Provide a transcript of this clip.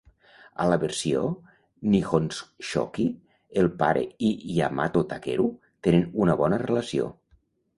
A la versió "Nihonshoki", el pare i Yamato Takeru tenen una bona relació.